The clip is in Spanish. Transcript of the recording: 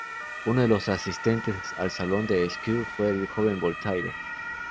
Uno de los asistentes al salón de Sceaux fue el joven Voltaire.